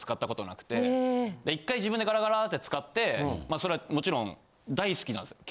１回自分でガラガラって使ってまあそれはもちろん大好きなんですよ。